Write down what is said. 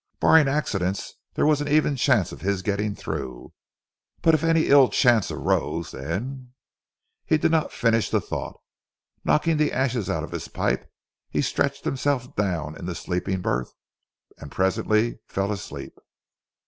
Barring accidents there was an even chance of his getting through, but if any ill chance arose then He did not finish the thought. Knocking the ashes out of his pipe, he stretched himself down in the sleeping berth, and presently fell asleep.